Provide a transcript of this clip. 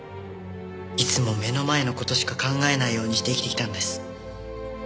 いつも目の前の事しか考えないようにして生きてきたんです。